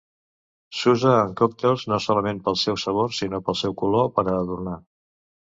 S'usa en còctels no solament pel seu sabor, sinó pel seu color, per a adornar.